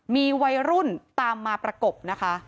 มีวัยรุ่นตามมาประกบนะคะ